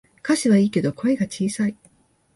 歌詞はいいけど声が小さい